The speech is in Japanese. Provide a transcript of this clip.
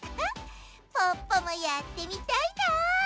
ポッポもやってみたいな！